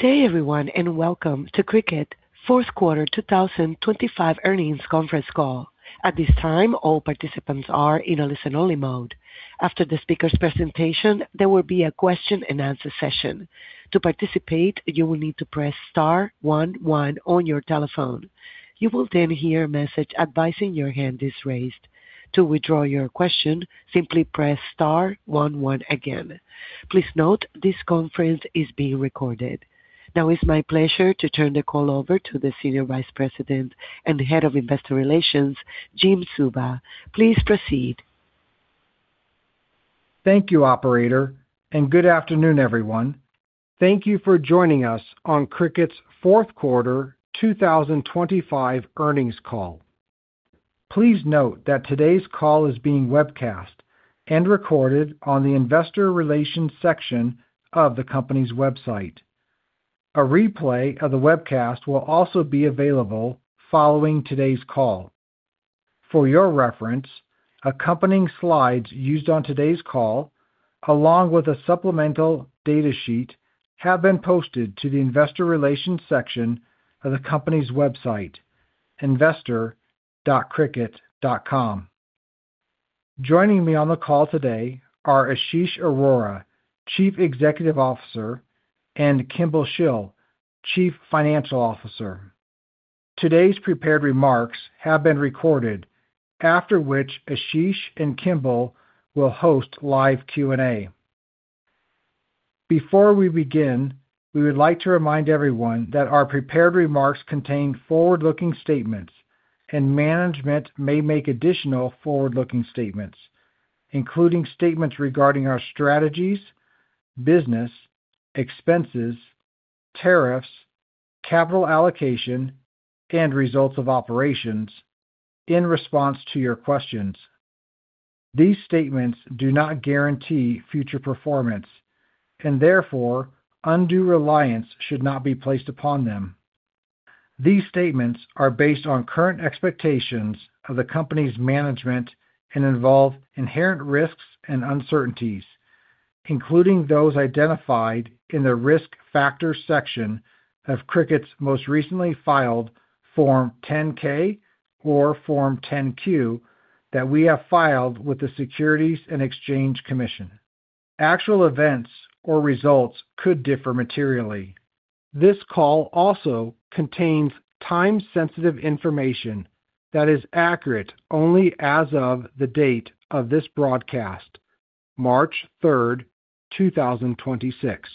Good day, everyone. Welcome to Cricut fourth quarter 2025 earnings conference call. At this time, all participants are in a listen-only mode. After the speaker's presentation, there will be a question-and-answer session. To participate, you will need to press star one one on your telephone. You will hear a message advising your hand is raised. To withdraw your question, simply press star one one again. Please note this conference is being recorded. It's my pleasure to turn the call over to the Senior Vice President and Head of Investor Relations, Jim Suva. Please proceed. Thank you, operator, and good afternoon, everyone. Thank you for joining us on Cricut's fourth quarter 2025 earnings call. Please note that today's call is being webcast and recorded on the Investor Relations section of the company's website. A replay of the webcast will also be available following today's call. For your reference, accompanying slides used on today's call, along with a supplemental data sheet, have been posted to the investor relations section of the company's website, investor.cricut.com. Joining me on the call today are Ashish Arora, Chief Executive Officer, and Kimball Shill, Chief Financial Officer. Today's prepared remarks have been recorded, after which Ashish and Kimball will host live Q&A. Before we begin, we would like to remind everyone that our prepared remarks contain forward-looking statements and management may make additional forward-looking statements, including statements regarding our strategies, business, expenses, tariffs, capital allocation, and results of operations in response to your questions. These statements do not guarantee future performance, and therefore undue reliance should not be placed upon them. These statements are based on current expectations of the company's management and involve inherent risks and uncertainties, including those identified in the Risk Factors section of Cricut's most recently filed Form 10-K or Form 10-Q that we have filed with the Securities and Exchange Commission. Actual events or results could differ materially. This call also contains time-sensitive information that is accurate only as of the date of this broadcast, March 3, 2026.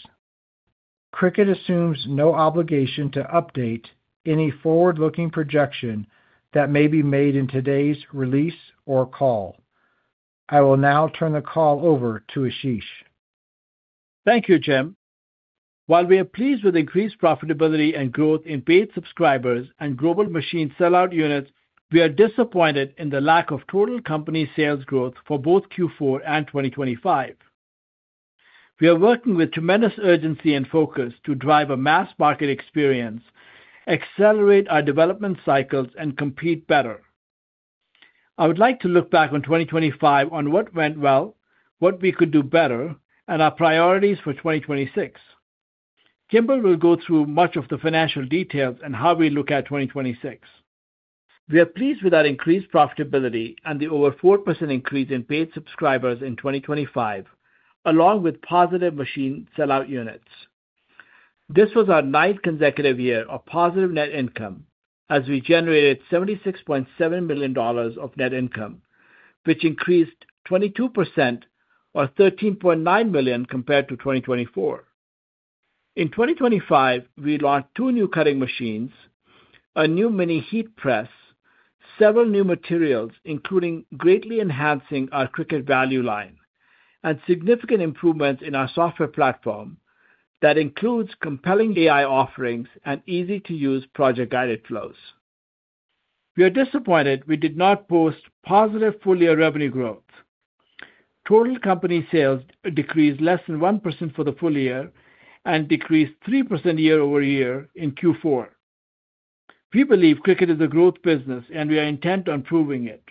Cricut assumes no obligation to update any forward-looking projection that may be made in today's release or call. I will now turn the call over to Ashish. Thank you, Jim. While we are pleased with increased profitability and growth in paid subscribers and global machine sell-out units, we are disappointed in the lack of total company sales growth for both Q4 and 2025. We are working with tremendous urgency and focus to drive a mass market experience, accelerate our development cycles, and compete better. I would like to look back on 2025 on what went well, what we could do better, and our priorities for 2026. Kimball will go through much of the financial details and how we look at 2026. We are pleased with our increased profitability and the over 4% increase in paid subscribers in 2025, along with positive machine sell-out units. This was our 9th consecutive year of positive net income as we generated $76.7 million of net income, which increased 22% or $13.9 million compared to 2024. In 2025, we launched two new cutting machines, a new mini heat press, several new materials, including greatly enhancing our Cricut Value line, and significant improvements in our software platform that includes compelling AI offerings and easy-to-use project guided flows. We are disappointed we did not post positive full-year revenue growth. Total company sales decreased less than 1% for the full-year and decreased 3% year-over-year in Q4. We believe Cricut is a growth business, and we are intent on proving it.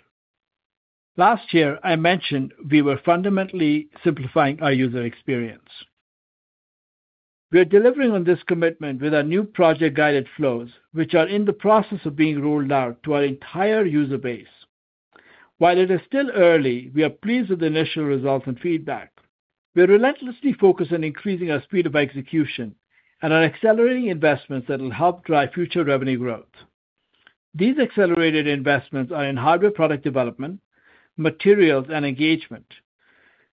Last year, I mentioned we were fundamentally simplifying our user experience. We are delivering on this commitment with our new project guided flows, which are in the process of being rolled out to our entire user base. While it is still early, we are pleased with the initial results and feedback. We are relentlessly focused on increasing our speed of execution and are accelerating investments that will help drive future revenue growth. These accelerated investments are in hardware product development, materials, and engagement.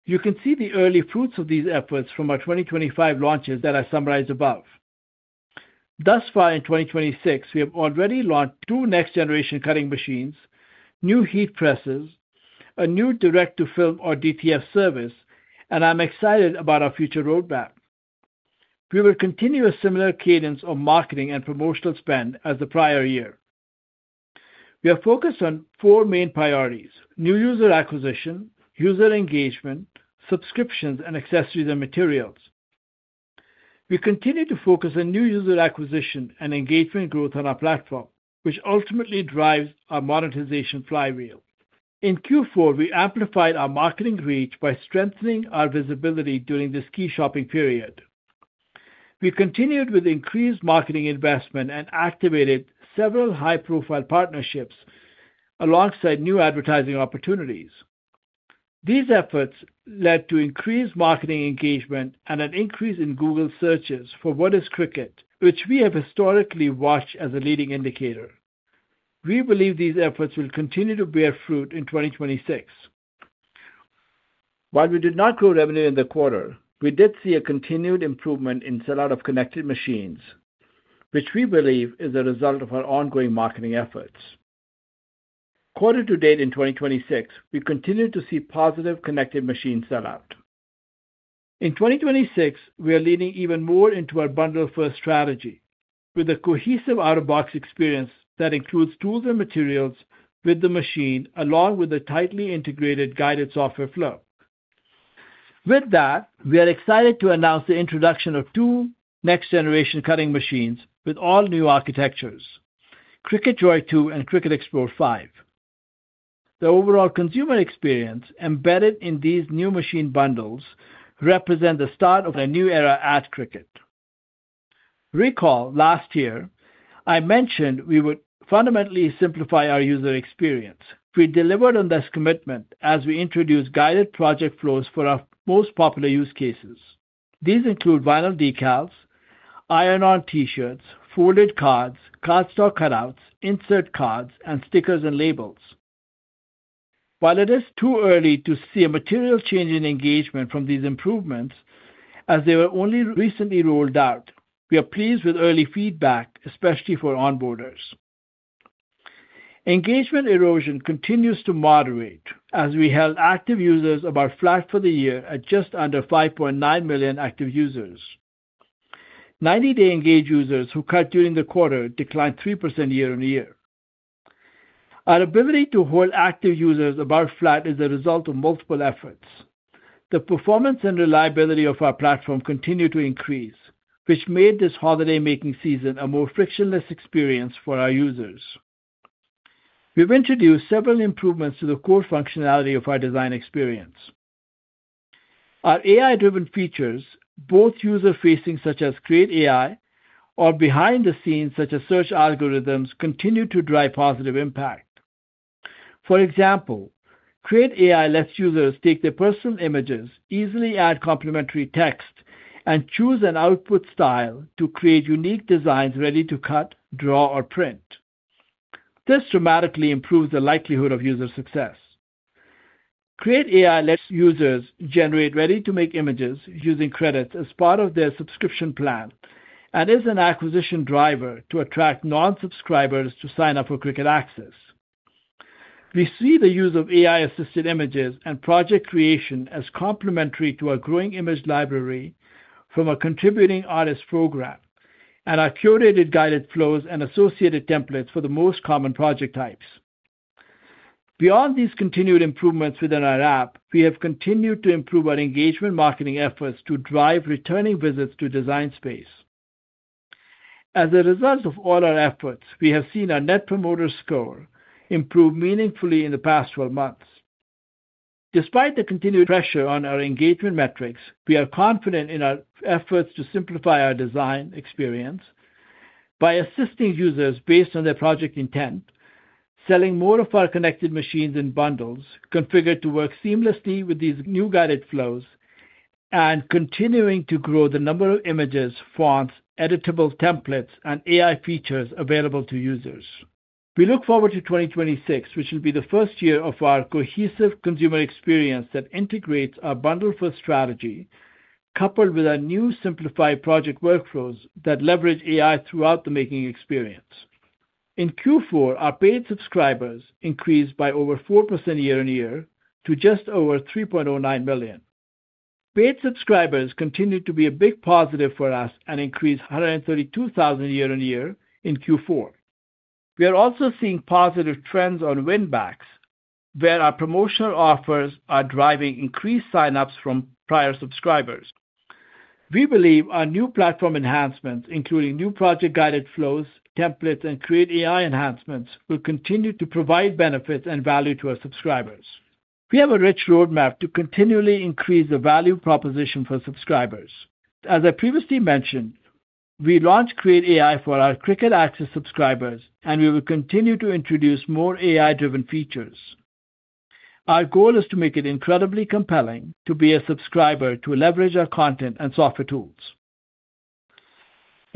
You can see the early fruits of these efforts from our 2025 launches that I summarized above. Thus far in 2026, we have already launched two next-generation cutting machines, new heat presses, a new direct-to-film or DTF service, and I'm excited about our future roadmap. We will continue a similar cadence of marketing and promotional spend as the prior year. We are focused on four main priorities: new user acquisition, user engagement, subscriptions, and accessories and materials. We continue to focus on new user acquisition and engagement growth on our platform, which ultimately drives our monetization flywheel. In Q4, we amplified our marketing reach by strengthening our visibility during this key shopping period. We continued with increased marketing investment and activated several high-profile partnerships alongside new advertising opportunities. These efforts led to increased marketing engagement and an increase in Google searches for what is Cricut, which we have historically watched as a leading indicator. We believe these efforts will continue to bear fruit in 2026. While we did not grow revenue in the quarter, we did see a continued improvement in sellout of connected machines, which we believe is a result of our ongoing marketing efforts. Quarter to date in 2026, we continue to see positive connected machine sellout. In 2026, we are leaning even more into our bundle-first strategy with a cohesive out-of-box experience that includes tools and materials with the machine, along with a tightly integrated guided software flow. With that, we are excited to announce the introduction of two next-generation cutting machines with all new architectures, Cricut Joy 2 and Cricut Explore 5. The overall consumer experience embedded in these new machine bundles represent the start of a new era at Cricut. Recall last year, I mentioned we would fundamentally simplify our user experience. We delivered on this commitment as we introduced guided project flows for our most popular use cases. These include vinyl decals, iron-on t-shirts, folded cards, cardstock cutouts, insert cards, and stickers and labels. While it is too early to see a material change in engagement from these improvements, as they were only recently rolled out, we are pleased with early feedback, especially for onboarders. Engagement erosion continues to moderate as we held active users about flat for the year at just under 5.9 million active users. 90-day engaged users who cut during the quarter declined 3% year-on-year. Our ability to hold active users about flat is a result of multiple efforts. The performance and reliability of our platform continue to increase, which made this holiday making season a more frictionless experience for our users. We've introduced several improvements to the core functionality of our design experience. Our AI-driven features, both user-facing, such as Create AI or behind the scenes, such as search algorithms, continue to drive positive impact. For example, Create AI lets users take their personal images, easily add complementary text, and choose an output style to create unique designs ready to cut, draw, or print. This dramatically improves the likelihood of user success. Create AI lets users generate ready-to-make images using credits as part of their subscription plan and is an acquisition driver to attract non-subscribers to sign up for Cricut Access. We see the use of AI-assisted images and project creation as complementary to our growing image library from our contributing artists program and our curated guided flows and associated templates for the most common project types. Beyond these continued improvements within our app, we have continued to improve our engagement marketing efforts to drive returning visits to Design Space. As a result of all our efforts, we have seen our net promoter score improve meaningfully in the past 12 months. Despite the continued pressure on our engagement metrics, we are confident in our efforts to simplify our design experience by assisting users based on their project intent, selling more of our connected machines in bundles configured to work seamlessly with these new guided flows, and continuing to grow the number of images, fonts, editable templates, and AI features available to users. We look forward to 2026, which will be the first year of our cohesive consumer experience that integrates our bundle-first strategy coupled with our new simplified project workflows that leverage AI throughout the making experience. In Q4, our paid subscribers increased by over 4% year-over-year to just over 3.09 million. Paid subscribers continued to be a big positive for us and increased 132,000 year-over-year in Q4. We are also seeing positive trends on winbacks, where our promotional offers are driving increased sign-ups from prior subscribers. We believe our new platform enhancements, including new project guided flows, templates, and Create AI enhancements, will continue to provide benefits and value to our subscribers. We have a rich roadmap to continually increase the value proposition for subscribers. As I previously mentioned, we launched Create AI for our Cricut Access subscribers, and we will continue to introduce more AI-driven features. Our goal is to make it incredibly compelling to be a subscriber to leverage our content and software tools.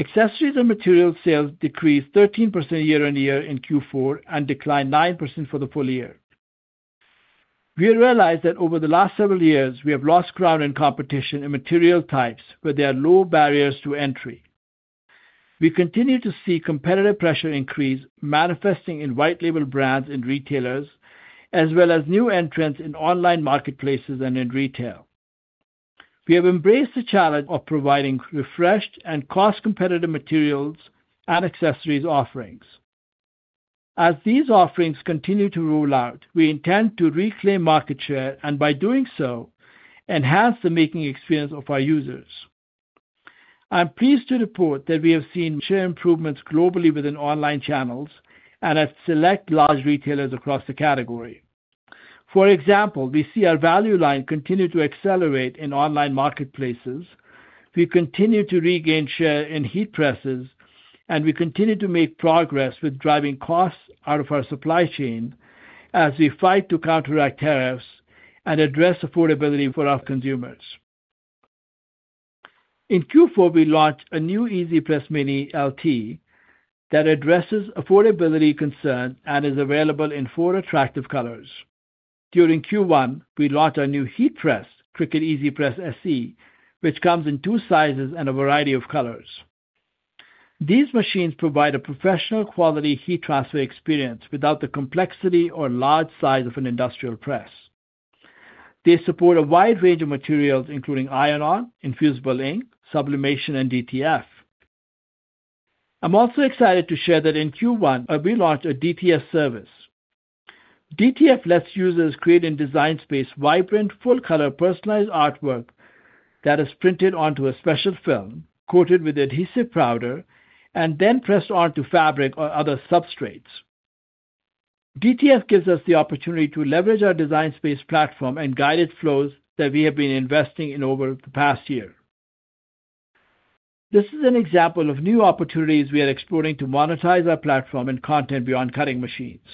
Accessories and materials sales decreased 13% year-on-year in Q4 and declined 9% for the full-year. We realized that over the last several years, we have lost ground and competition in material types where there are low barriers to entry. We continue to see competitive pressure increase manifesting in white label brands and retailers, as well as new entrants in online marketplaces and in retail. We have embraced the challenge of providing refreshed and cost-competitive materials and accessories offerings. As these offerings continue to roll out, we intend to reclaim market share and, by doing so, enhance the making experience of our users. I'm pleased to report that we have seen share improvements globally within online channels and at select large retailers across the category. For example, we see our value line continue to accelerate in online marketplaces. We continue to regain share in heat presses, and we continue to make progress with driving costs out of our supply chain as we fight to counteract tariffs and address affordability for our consumers. In Q4, we launched a new Cricut EasyPress Mini LT that addresses affordability concern and is available in four attractive colors. During Q1, we launched our new heat press, Cricut EasyPress SE, which comes in two sizes and a variety of colors. These machines provide a professional quality heat transfer experience without the complexity or large size of an industrial press. They support a wide range of materials, including iron-on, Infusible Ink, sublimation, and DTF. I'm also excited to share that in Q1, we launched a DTF service. DTF lets users create in Design Space vibrant, full-color personalized artwork that is printed onto a special film, coated with adhesive powder, and then pressed onto fabric or other substrates. DTF gives us the opportunity to leverage our Design Space platform and guided flows that we have been investing in over the past year. This is an example of new opportunities we are exploring to monetize our platform and content beyond cutting machines.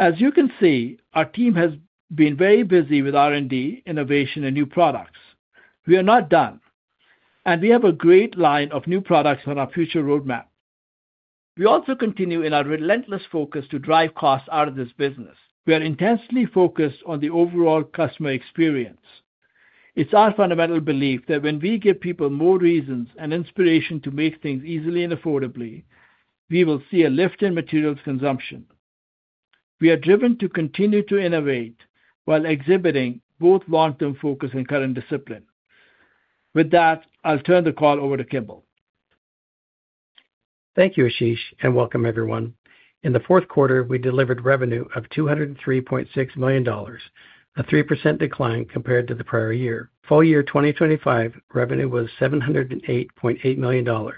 As you can see, our team has been very busy with R&D, innovation, and new products. We are not done, and we have a great line of new products on our future roadmap. We also continue in our relentless focus to drive costs out of this business. We are intensely focused on the overall customer experience. It's our fundamental belief that when we give people more reasons and inspiration to make things easily and affordably, we will see a lift in materials consumption. We are driven to continue to innovate while exhibiting both long-term focus and current discipline. With that, I'll turn the call over to Kimball. Thank you, Ashish, and welcome, everyone. In the fourth quarter, we delivered revenue of $203.6 million, a 3% decline compared to the prior year. full-year 2025 revenue was $708.8 million,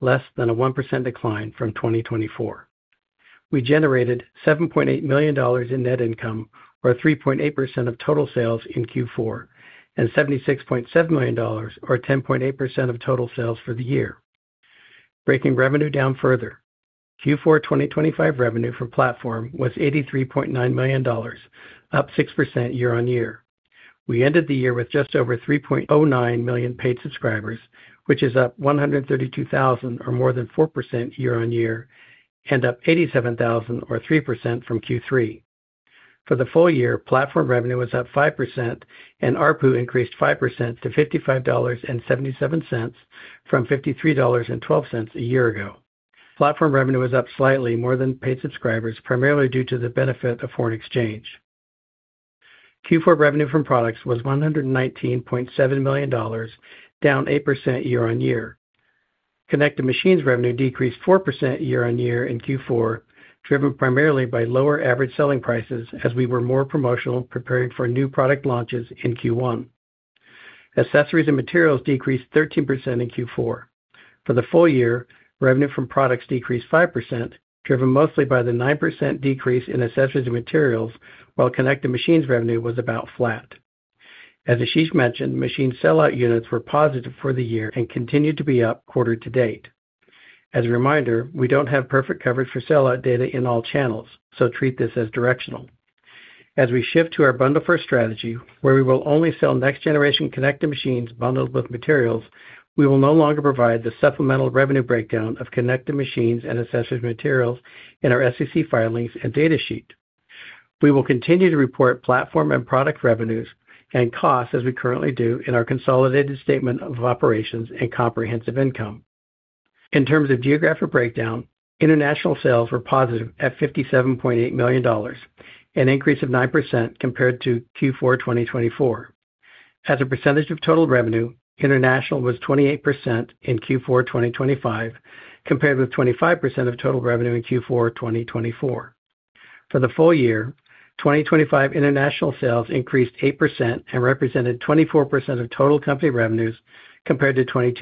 less than a 1% decline from 2024. We generated $7.8 million in net income or 3.8% of total sales in Q4, and $67.7 million or 10.8% of total sales for the year. Breaking revenue down further, Q4 2025 revenue for platform was $83.9 million, up 6% year-on-year. We ended the year with just over 3.09 million paid subscribers, which is up 132,000 or more than 4% year-on-year, and up 87,000 or 3% from Q3. For the full-year, platform revenue was up 5% and ARPU increased 5% to $55.77 from $53.12 a year ago. Platform revenue was up slightly more than paid subscribers, primarily due to the benefit of foreign exchange. Q4 revenue from products was $119.7 million, down 8% year-on-year. Connected machines revenue decreased 4% year-on-year in Q4, driven primarily by lower average selling prices as we were more promotional preparing for new product launches in Q1. Accessories and materials decreased 13% in Q4. For the full-year, revenue from products decreased 5%, driven mostly by the 9% decrease in accessories and materials, while connected machines revenue was about flat. As Ashish mentioned, machine sellout units were positive for the year and continued to be up quarter to date. As a reminder, we don't have perfect coverage for sellout data in all channels, so treat this as directional. As we shift to our bundle-first strategy, where we will only sell next-generation connected machines bundled with materials, we will no longer provide the supplemental revenue breakdown of connected machines and accessories materials in our SEC filings and data sheet. We will continue to report platform and product revenues and costs as we currently do in our consolidated statement of operations and comprehensive income. In terms of geographic breakdown, international sales were positive at $57.8 million, an increase of 9% compared to Q4 2024. As a percentage of total revenue, international was 28% in Q4 2025, compared with 25% of total revenue in Q4 2024. For the full-year, 2025 international sales increased 8% and represented 24% of total company revenues, compared to 22%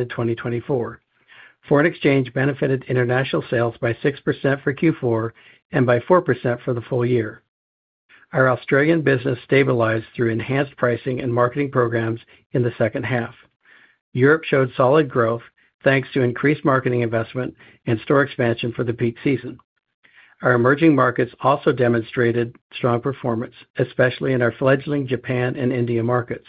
in 2024. Foreign exchange benefited international sales by 6% for Q4 and by 4% for the full-year. Our Australian business stabilized through enhanced pricing and marketing programs in the second half. Europe showed solid growth thanks to increased marketing investment and store expansion for the peak season. Our emerging markets also demonstrated strong performance, especially in our fledgling Japan and India markets.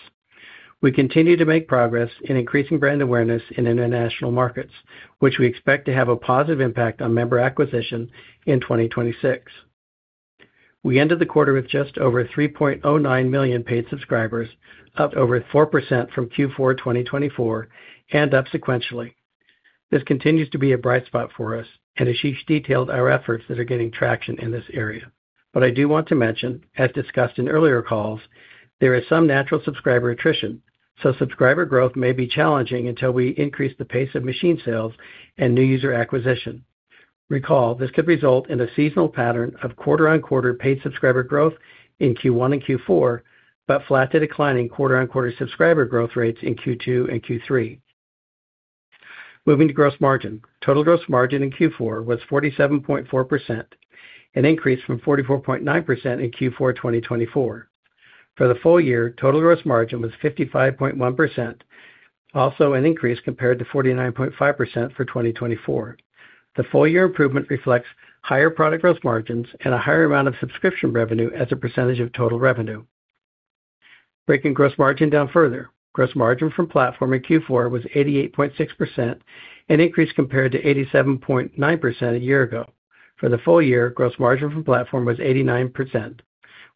We continue to make progress in increasing brand awareness in international markets, which we expect to have a positive impact on member acquisition in 2026. We ended the quarter with just over 3.09 million paid subscribers, up over 4% from Q4 2024 and up sequentially. This continues to be a bright spot for us. Ashish detailed our efforts that are gaining traction in this area. I do want to mention, as discussed in earlier calls, there is some natural subscriber attrition, so subscriber growth may be challenging until we increase the pace of machine sales and new user acquisition. Recall, this could result in a seasonal pattern of quarter-on-quarter paid subscriber growth in Q1 and Q4, but flat to declining quarter-on-quarter subscriber growth rates in Q2 and Q3. Moving to gross margin. Total gross margin in Q4 was 47.4%, an increase from 44.9% in Q4, 2024. For the full-year, total gross margin was 55.1%, also an increase compared to 49.5% for 2024. The full-year improvement reflects higher product gross margins and a higher amount of subscription revenue as a percentage of total revenue. Breaking gross margin down further. Gross margin from platform in Q4 was 88.6%, an increase compared to 87.9% a year-ago. For the full-year, gross margin from platform was 89%,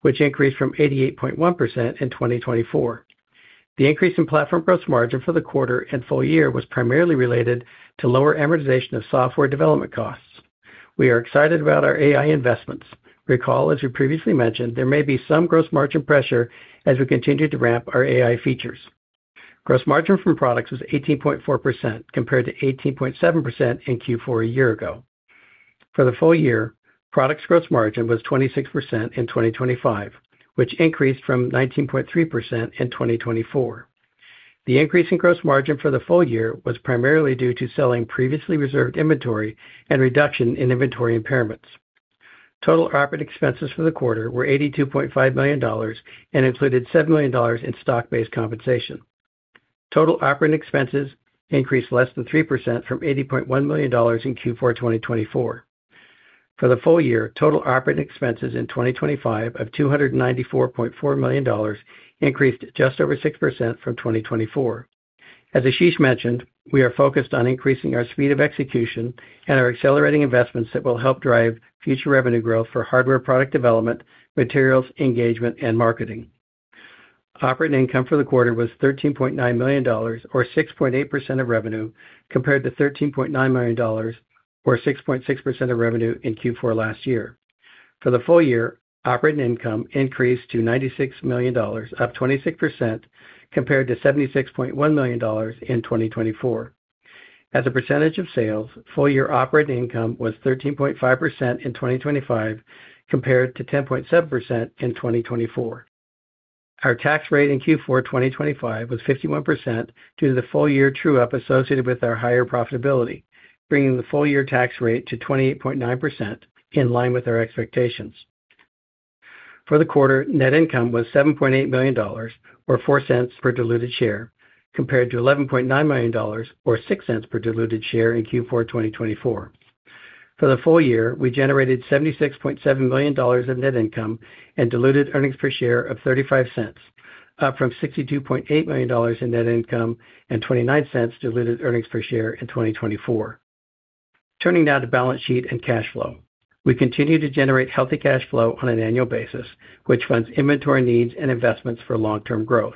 which increased from 88.1% in 2024. The increase in platform gross margin for the quarter and full-year was primarily related to lower amortization of software development costs. We are excited about our AI investments. Recall, as we previously mentioned, there may be some gross margin pressure as we continue to ramp our AI features. Gross margin from products was 18.4% compared to 18.7% in Q4 a year-ago. For the full-year, products gross margin was 26% in 2025, which increased from 19.3% in 2024. The increase in gross margin for the full-year was primarily due to selling previously reserved inventory and reduction in inventory impairments. Total operating expenses for the quarter were $82.5 million and included $7 million in stock-based compensation. Total operating expenses increased less than 3% from $80.1 million in Q4, 2024. For the full-year, total operating expenses in 2025 of $294.4 million increased just over 6% from 2024. As Ashish mentioned, we are focused on increasing our speed of execution and are accelerating investments that will help drive future revenue growth for hardware product development, materials, engagement, and marketing. Operating income for the quarter was $13.9 million, or 6.8% of revenue, compared to $13.9 million or 6.6% of revenue in Q4 last year. For the full-year, operating income increased to $96 million, up 26% compared to $76.1 million in 2024. As a percentage of sales, full-year operating income was 13.5% in 2025 compared to 10.7% in 2024. Our tax rate in Q4 2025 was 51% due to the full-year true up associated with our higher profitability, bringing the full-year tax rate to 28.9%, in line with our expectations. For the quarter, net income was $7.8 million, or $0.04 per diluted share, compared to $11.9 million or $0.06 per diluted share in Q4, 2024. For the full-year, we generated $76.7 million of net income and diluted earnings per share of $0.35, up from $62.8 million in net income and $0.29 diluted earnings per share in 2024. Turning now to balance sheet and cash flow. We continue to generate healthy cash flow on an annual basis, which funds inventory needs and investments for long-term growth.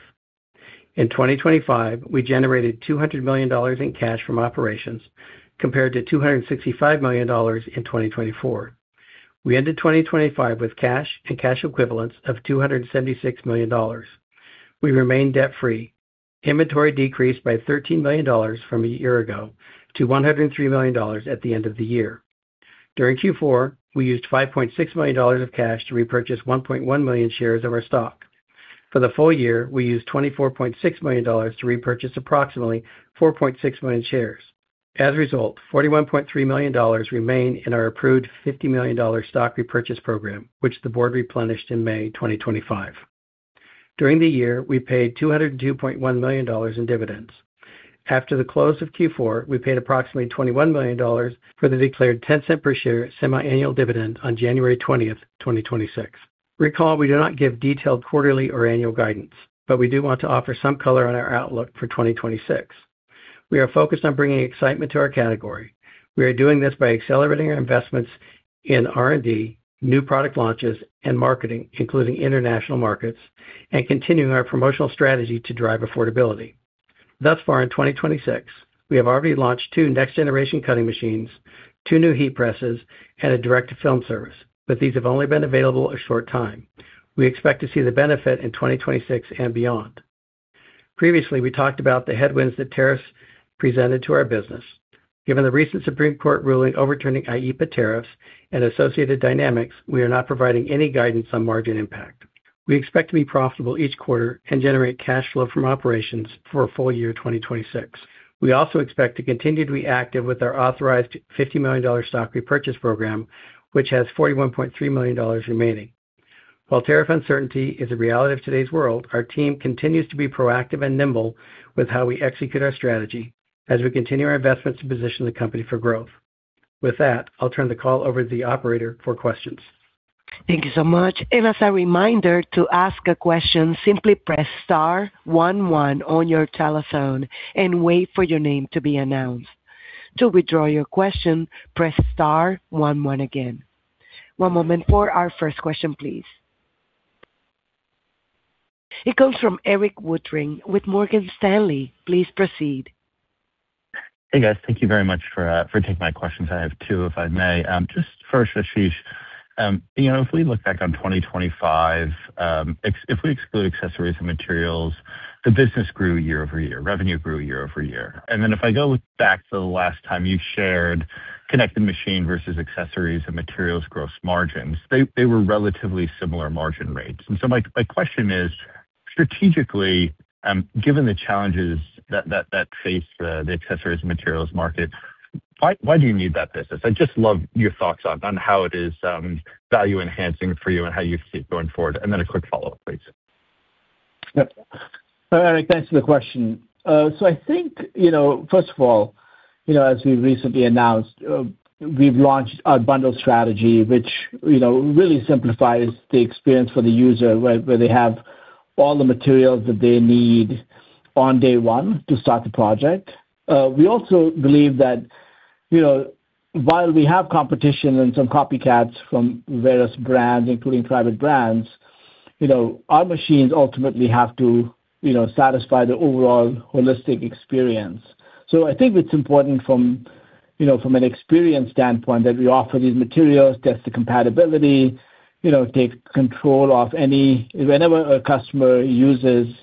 In 2025, we generated $200 million in cash from operations compared to $265 million in 2024. We ended 2025 with cash and cash equivalents of $276 million. We remain debt-free. Inventory decreased by $13 million from a year ago to $103 million at the end of the year. During Q4, we used $5.6 million of cash to repurchase 1.1 million shares of our stock. For the full-year, we used $24.6 million to repurchase approximately 4.6 million shares. As a result, $41.3 million remain in our approved $50 million stock repurchase program, which the board replenished in May 2025. During the year, we paid $202.1 million in dividends. After the close of Q4, we paid approximately $21 million for the declared $0.10 per share semi-annual dividend on January 20th, 2026. Recall, we do not give detailed quarterly or annual guidance, but we do want to offer some color on our outlook for 2026. We are focused on bringing excitement to our category. We are doing this by accelerating our investments in R&D, new product launches and marketing, including international markets, and continuing our promotional strategy to drive affordability. Thus far in 2026, we have already launched two next-generation cutting machines, two new heat presses, and a direct-to-film service, but these have only been available a short time. We expect to see the benefit in 2026 and beyond. Previously, we talked about the headwinds that tariffs presented to our business. Given the recent Supreme Court ruling overturning IEEPA tariffs and associated dynamics, we are not providing any guidance on margin impact. We expect to be profitable each quarter and generate cash flow from operations for full-year 2026. We also expect to continue to be active with our authorized $50 million stock repurchase program, which has $41.3 million remaining. While tariff uncertainty is a reality of today's world, our team continues to be proactive and nimble with how we execute our strategy as we continue our investments to position the company for growth. I'll turn the call over to the operator for questions. Thank you so much. As a reminder to ask a question, simply press star one one on your telephone and wait for your name to be announced. To withdraw your question, press star one one again. One moment for our first question, please. It comes from Erik Woodring with Morgan Stanley. Please proceed. Hey, guys. Thank you very much for taking my questions. I have two, if I may. Just first, Ashish. You know, if we look back on 2025, if we exclude accessories and materials, the business grew year-over-year, revenue grew year-over-year. If I go back to the last time you shared connected machine versus accessories and materials gross margins, they were relatively similar margin rates. My question is, strategically, given the challenges that face the accessories and materials market, why do you need that business? I'd just love your thoughts on how it is value enhancing for you and how you see it going forward. A quick follow-up, please. Yep. Erik, thanks for the question. I think, you know, first of all, you know, as we recently announced, we've launched our bundle strategy, which, you know, really simplifies the experience for the user where they have all the materials that they need on day one to start the project. We also believe that, you know, while we have competition and some copycats from various brands, including private brands, you know, our machines ultimately have to, you know, satisfy the overall holistic experience. I think it's important from, you know, from an experience standpoint, that we offer these materials, test the compatibility, you know, take control. Whenever a customer uses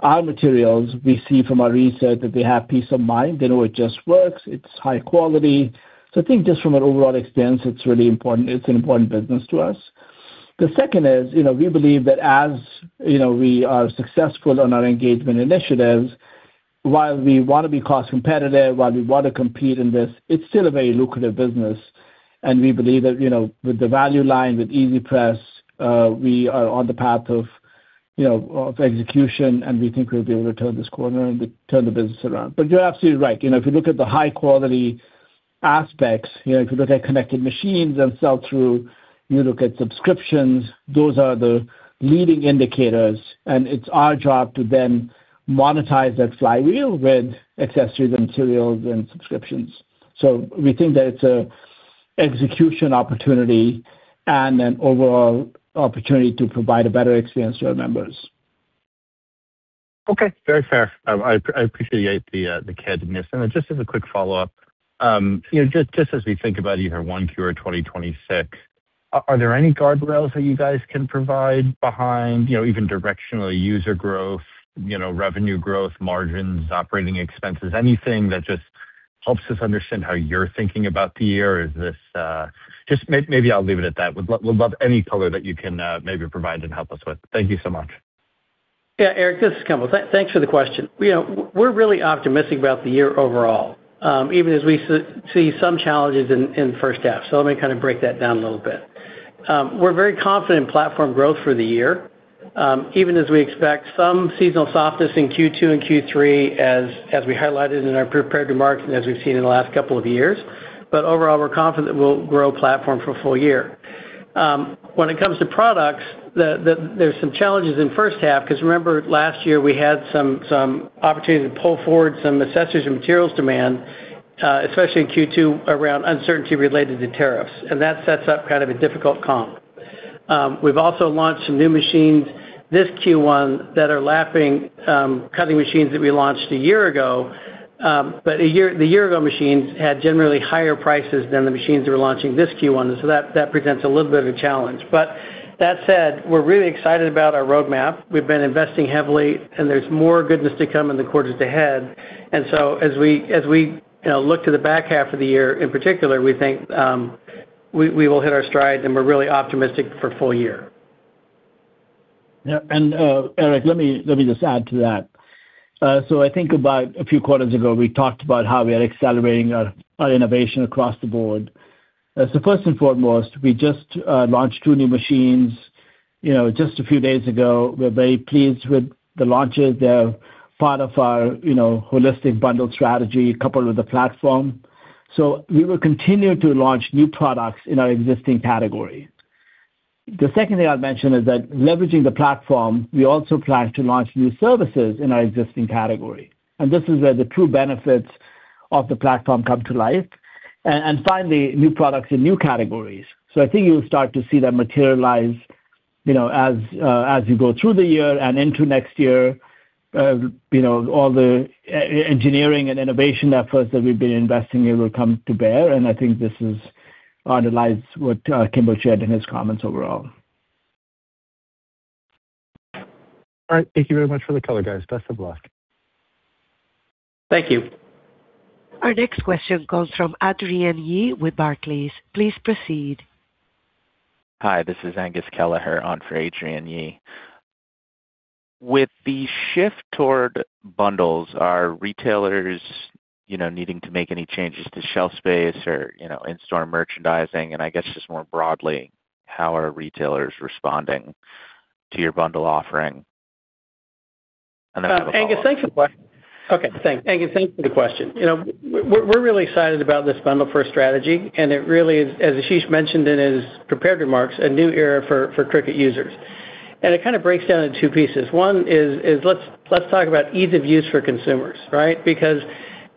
our materials, we see from our research that they have peace of mind. They know it just works. It's high quality. I think just from an overall experience, it's really important. It's an important business to us. The second is, you know, we believe that as, you know, we are successful on our engagement initiatives, while we wanna be cost competitive, while we wanna compete in this, it's still a very lucrative business. We believe that, you know, with the value line, with EasyPress, we are on the path of, you know, of execution, and we think we'll be able to turn this corner and turn the business around. You're absolutely right. You know, if you look at the high quality aspects, you know, if you look at connected machines and sell-through, you look at subscriptions, those are the leading indicators, and it's our job to then monetize that flywheel with accessories and materials and subscriptions. We think that it's a execution opportunity and an overall opportunity to provide a better experience to our members. Okay. Very fair. I appreciate the candidness. Just as a quick follow-up, you know, just as we think about either 1Q or 2026, are there any guardrails that you guys can provide behind, you know, even directionally user growth, you know, revenue growth, margins, operating expenses, anything that just helps us understand how you're thinking about the year? Is this... Just maybe I'll leave it at that. Would love any color that you can maybe provide and help us with. Thank you so much. Yeah, Erik, this is Kimball. Thanks for the question. You know, we're really optimistic about the year overall, even as we see some challenges in the first half. Let me kind of break that down a little bit. We're very confident in platform growth for the year, even as we expect some seasonal softness in Q2 and Q3 as we highlighted in our prepared remarks and as we've seen in the last couple of years. Overall, we're confident we'll grow platform for a full-year. When it comes to products, the there's some challenges in first half, 'cause remember last year, we had some opportunity to pull forward some accessories and materials demand, especially in Q2 around uncertainty related to tariffs, and that sets up kind of a difficult comp. We've also launched some new machines this Q1 that are lapping cutting machines that we launched a year ago. The year ago machines had generally higher prices than the machines that we're launching this Q1, so that presents a little bit of a challenge. That said, we're really excited about our roadmap. We've been investing heavily, and there's more goodness to come in the quarters ahead. As we, you know, look to the back half of the year, in particular, we think we will hit our stride and we're really optimistic for full-year. Yeah. Erik, let me just add to that. I think about a few quarters ago, we talked about how we are accelerating our innovation across the board. First and foremost, we just launched two new machines, you know, just a few days ago. We're very pleased with the launches. They're part of our, you know, holistic bundle strategy coupled with the platform. We will continue to launch new products in our existing category. The second thing I'd mention is that leveraging the platform, we also plan to launch new services in our existing category. This is where the true benefits of the platform come to life. And finally, new products in new categories. I think you'll start to see that materialize, you know, as you go through the year and into next year. You know, all the e-engineering and innovation efforts that we've been investing in will come to bear, and I think this is-- underlies what, Kimball shared in his comments overall. All right. Thank you very much for the color, guys. Best of luck. Thank you. Our next question comes from Adrienne Yih with Barclays. Please proceed. Hi, this is Angus Kelleher on for Adrienne Yih. With the shift toward bundles, are retailers, you know, needing to make any changes to shelf space or, you know, in-store merchandising? I guess just more broadly, how are retailers responding to your bundle offering? I have a follow-up. Angus, thanks for the question. Okay. Thanks, Angus. Thanks for the question. You know, we're really excited about this bundle first strategy, and it really is, as Ashish mentioned in his prepared remarks, a new era for Cricut users. It kind of breaks down into two pieces. One is let's talk about ease of use for consumers, right? Because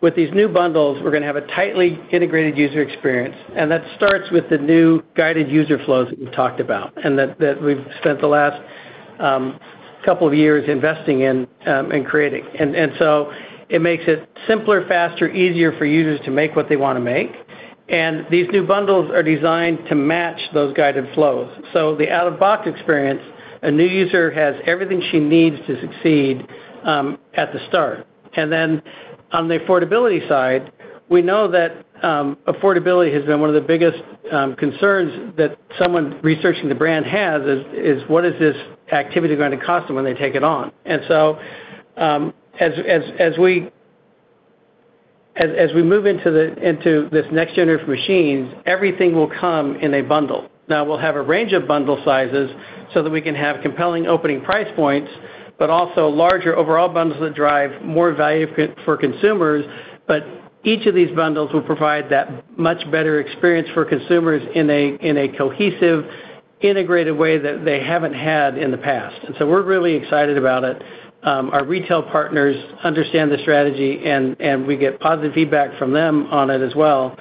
with these new bundles, we're gonna have a tightly integrated user experience, and that starts with the new guided user flows that we've talked about and that we've spent the last couple of years investing in and creating. So it makes it simpler, faster, easier for users to make what they wanna make. These new bundles are designed to match those guided flows. So the out-of-box experience, a new user has everything she needs to succeed at the start. On the affordability side, we know that affordability has been one of the biggest concerns that someone researching the brand has, is what is this activity gonna cost them when they take it on. As we move into the, into this next generation of machines, everything will come in a bundle. Now we'll have a range of bundle sizes so that we can have compelling opening price points, but also larger overall bundles that drive more value for consumers. Each of these bundles will provide that much better experience for consumers in a cohesive, integrated way that they haven't had in the past. We're really excited about it. Our retail partners understand the strategy and we get positive feedback from them on it as well.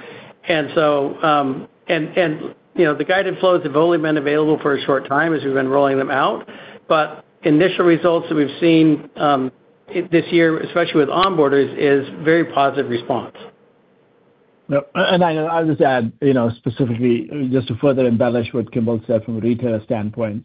You know, the guided flows have only been available for a short time as we've been rolling them out. Initial results that we've seen this year, especially with onboarders, is very positive response. No, and I'll just add, you know, specifically just to further embellish what Kimball said from a retailer standpoint.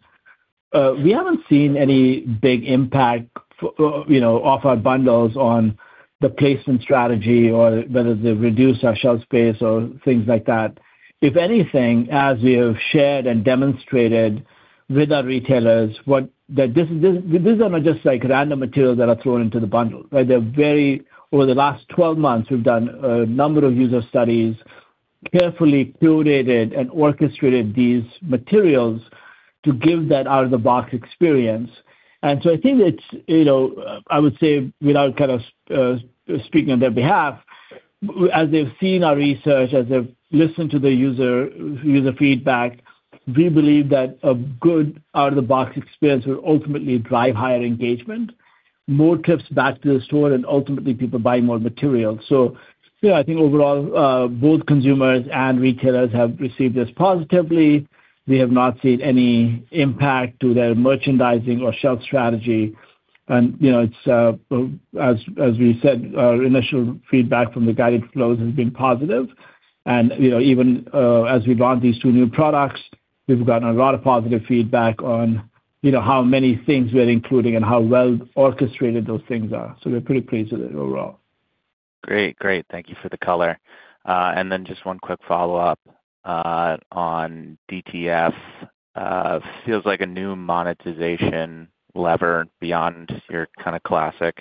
We haven't seen any big impact for, you know, off our bundles on the placement strategy or whether they've reduced our shelf space or things like that. If anything, as we have shared and demonstrated with our retailers, what these are not just like random materials that are thrown into the bundle, right? Over the last 12 months, we've done a number of user studies, carefully curated and orchestrated these materials to give that out-of-the-box experience. I think it's, you know, I would say without kind of speaking on their behalf, as they've seen our research, as they've listened to the user feedback, we believe that a good out-of-the-box experience will ultimately drive higher engagement, more trips back to the store, and ultimately people buying more material. Yeah, I think overall, both consumers and retailers have received this positively. We have not seen any impact to their merchandising or shelf strategy. You know, it's as we said, our initial feedback from the guided flows has been positive. You know, even as we've launched these two new products, we've gotten a lot of positive feedback on, you know, how many things we're including and how well orchestrated those things are. We're pretty pleased with it overall. Great. Great. Thank you for the color. Just one quick follow-up, on DTF. Feels like a new monetization lever beyond your kind of classic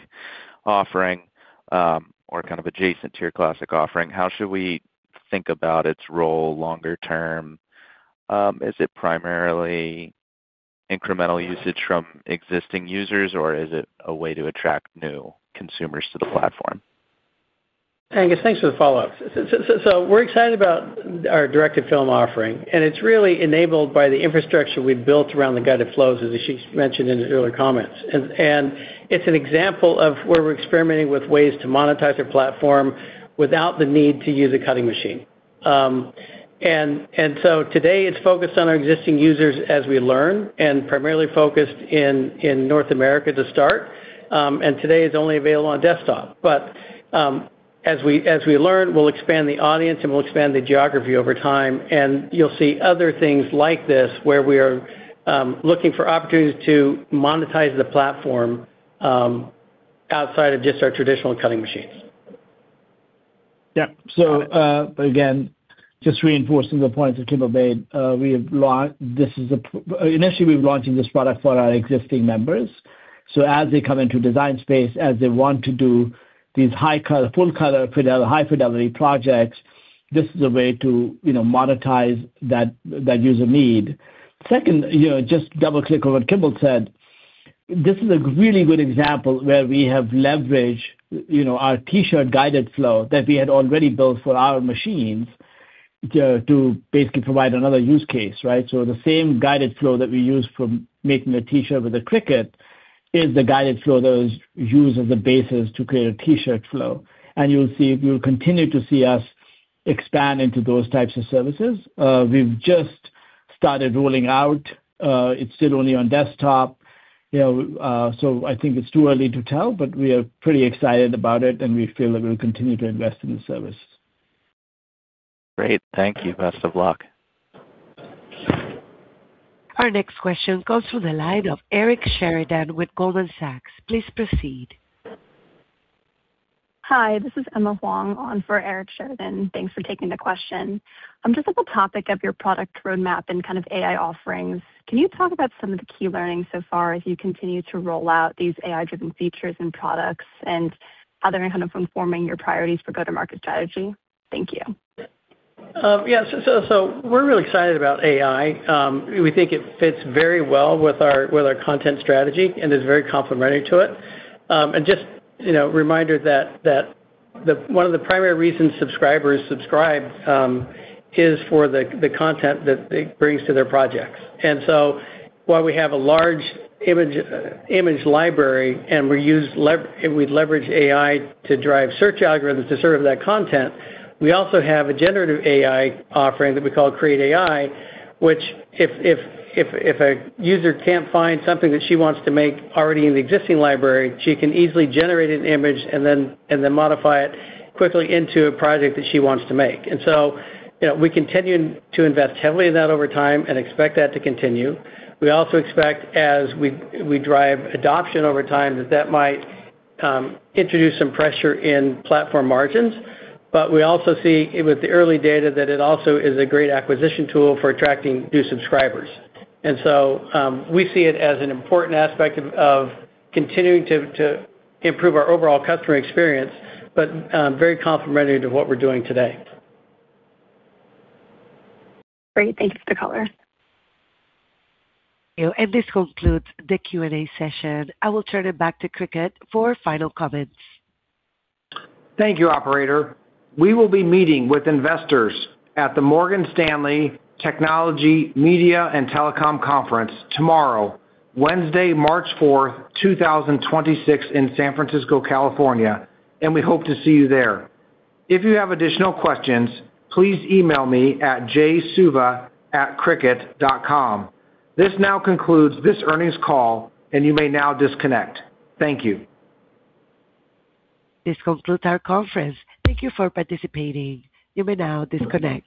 offering, or kind of adjacent to your classic offering. How should we think about its role longer term? Is it primarily incremental usage from existing users, or is it a way to attract new consumers to the platform? Angus, thanks for the follow-up. So we're excited about our directed film offering, and it's really enabled by the infrastructure we've built around the guided flows, as Ashish mentioned in his earlier comments. It's an example of where we're experimenting with ways to monetize our platform without the need to use a cutting machine. Today it's focused on our existing users as we learn, and primarily focused in North America to start, and today it's only available on desktop. As we learn, we'll expand the audience, and we'll expand the geography over time, and you'll see other things like this, where we are looking for opportunities to monetize the platform outside of just our traditional cutting machines. Again, just reinforcing the points that Kimball made, initially, we're launching this product for our existing members. As they come into Design Space, as they want to do these high color, full color, high-fidelity projects, this is a way to, you know, monetize that user need. Second, you know, just double-click on what Kimball said. This is a really good example where we have leveraged, you know, our t-shirt guided flow that we had already built for our machines to basically provide another use case, right? The same guided flow that we use for making a t-shirt with a Cricut is the guided flow that is used as a basis to create a t-shirt flow. You'll continue to see us expand into those types of services. We've just started rolling out. It's still only on desktop, you know, so I think it's too early to tell, but we are pretty excited about it, and we feel that we'll continue to invest in the service. Great. Thank you. Best of luck. Our next question comes from the line of Eric Sheridan with Goldman Sachs. Please proceed. Hi, this is Emma Huang on for Eric Sheridan. Thanks for taking the question. Just on the topic of your product roadmap and kind of AI offerings, can you talk about some of the key learnings so far as you continue to roll out these AI-driven features and products, and how they're kind of informing your priorities for go-to-market strategy? Thank you. Yeah, we're really excited about AI. We think it fits very well with our content strategy and is very complementary to it. Just, you know, a reminder that one of the primary reasons subscribers subscribe is for the content that it brings to their projects. While we have a large image library and we leverage AI to drive search algorithms to serve that content, we also have a generative AI offering that we call Create AI, which if a user can't find something that she wants to make already in the existing library, she can easily generate an image and then modify it quickly into a project that she wants to make. You know, we continue to invest heavily in that over time and expect that to continue. We also expect as we drive adoption over time, that that might introduce some pressure in platform margins. We also see with the early data that it also is a great acquisition tool for attracting new subscribers. So, we see it as an important aspect of continuing to improve our overall customer experience, but very complementary to what we're doing today. Great. Thanks for the color. This concludes the Q&A session. I will turn it back to Cricut for final comments. Thank you, operator. We will be meeting with investors at the Morgan Stanley Technology, Media & Telecom Conference tomorrow, Wednesday, March 4th, 2026 in San Francisco, California. We hope to see you there. If you have additional questions, please email me at jsuva@cricut.com. This now concludes this earnings call. You may now disconnect. Thank you. This concludes our conference. Thank you for participating. You may now disconnect.